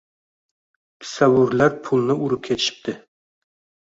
kissavurlar pulni urib ketishibdi.